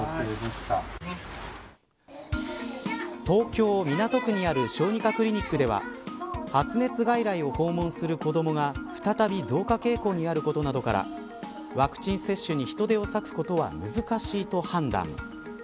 東京、港区にある小児科クリニックでは発熱外来を訪問する子どもが再び増加傾向にあることなどからワクチン接種に人手を割くことは難しいと判断。